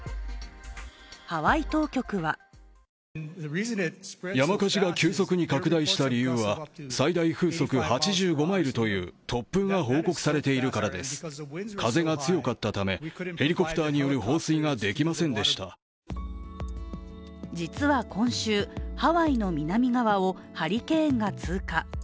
ハワイ当局は実は今週、ハワイの南側をハリケーンが通過。